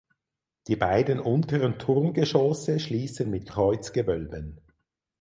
Die beiden unteren Turmgeschosse schließen mit Kreuzgewölben.